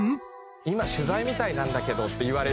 今取材みたいなんだけどって言われる事は。